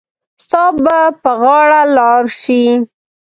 ستا به په غاړه لار شي.